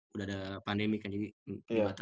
udah ada pandemi kan jadi kelihatan